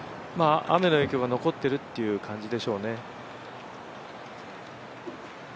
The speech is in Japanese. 雨の影響が残ってるという感じでしょうね。